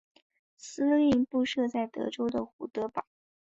司令部设在德州的胡德堡。